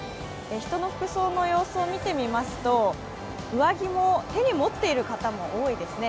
人の服装の様子を見てみますと、上着も手に持っている方も多いですね。